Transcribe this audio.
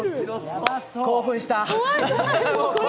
興奮した。